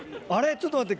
ちょっと待って。